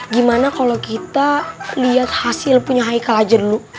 gimana kalau kita lihat hasil punya hikal aja dulu